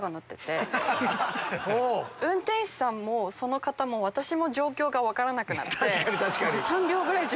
運転手さんもその方も私も状況が分からなくなって。